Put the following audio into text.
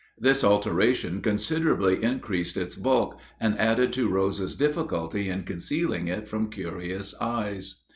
This alteration considerably increased its bulk, and added to Rose's difficulty in concealing it from curious eyes.